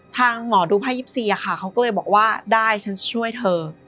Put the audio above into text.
ทางหมอดูพ่ายิบสี่อะค่ะเขาก็เลยบอกว่าได้ฉันช่วยเธอ